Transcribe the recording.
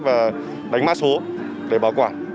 và đánh mã số để bảo quản